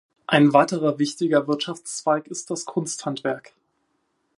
Ein weiterer wichtiger Wirtschaftszweig ist das Kunsthandwerk.